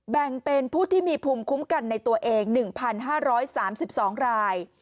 แบ่งเป็นผู้ที่มีภูมิคุ้มกันในตัวเอง๑๕๓๒ราย